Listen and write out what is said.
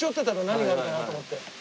何があるかな？と思って。